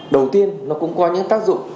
đầu tiên nó cũng có những tác dụng